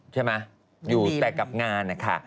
ใช่ไหมอยู่แต่กับงานนะคะ